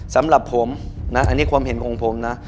สำหรับผมนะอันนี้ความเห็นของผมนะ